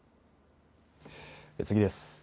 次です。